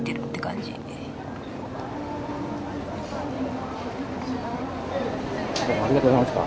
でもどうもありがとうございました。